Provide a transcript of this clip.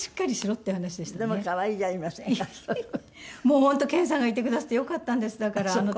本当謙さんがいてくだすってよかったんですだからあの時。